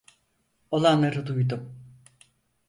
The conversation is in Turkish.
Olanları duydum.